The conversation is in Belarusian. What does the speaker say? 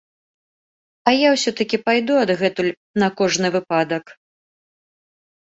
А я ўсё-такі пайду адгэтуль на кожны выпадак.